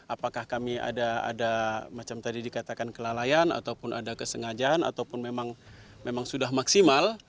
apakah kami ada macam tadi dikatakan kelalaian ataupun ada kesengajaan ataupun memang sudah maksimal